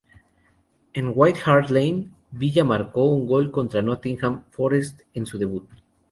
En White Hart Lane Villa marcó un gol contra Nottingham Forest en su debut.